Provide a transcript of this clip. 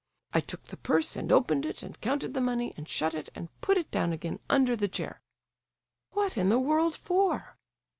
I took the purse, and opened it, and counted the money, and shut it and put it down again under the chair." "What in the world for?"